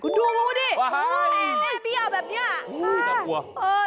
คุณดูมูดิแม่เบี้ยแบบนี้